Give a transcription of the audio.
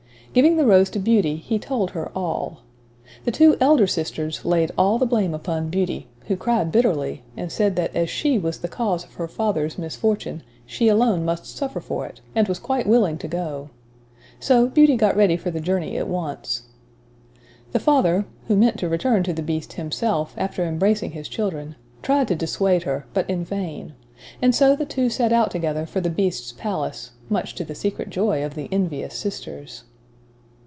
Giving the rose to Beauty, he told her all. The two elder sisters laid all the blame upon Beauty; who cried bitterly, and said that as she was the cause of her father's misfortune, she alone must suffer for it, and was quite willing to go. So Beauty got ready for the journey at once. The father (who meant to return to the Beast himself, after embracing his children) tried to dissuade her, but in vain; and so the two set out together for the Beast's palace, much to the secret joy of the envious sisters.